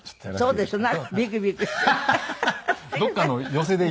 そうですね。